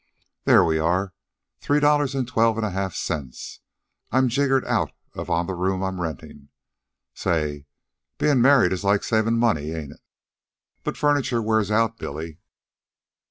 "There we are! Three dollars an' twelve an' a half cents I'm jiggered out of on the room I'm rentin'. Say! Bein' married is like savin' money, ain't it?" "But furniture wears out, Billy."